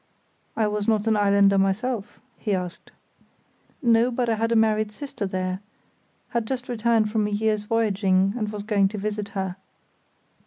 "I was not an islander myself?" he asked. "No, but I had a married sister there; had just returned from a year's voyaging, and was going to visit her."